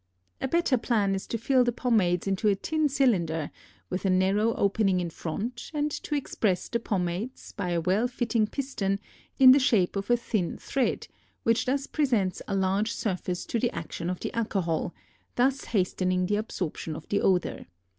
A better plan is to fill the pomades into a tin cylinder with a narrow opening in front and to express the pomades, by a well fitting piston, in the shape of a thin thread which thus presents a large surface to the action of the alcohol, thus hastening the absorption of the odor.